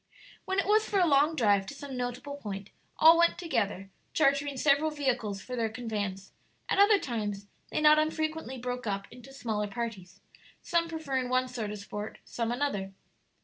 When it was for a long drive to some notable point, all went together, chartering several vehicles for their conveyance; at other times they not unfrequently broke up into smaller parties, some preferring one sort of sport, some another.